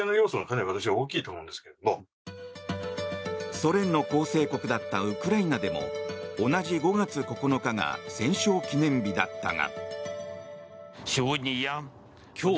ソ連の構成国だったウクライナでも同じ５月９日が戦勝記念日だったが。